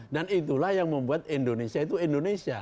dan itulah yang membuat indonesia itu indonesia